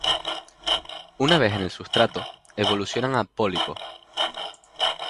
Una vez en el sustrato, evolucionan a pólipo.